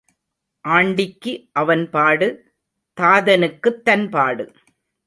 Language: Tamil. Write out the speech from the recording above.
ஆண்டிக்கு அவன் பாடு தாதனுக்குத் தன் பாடு.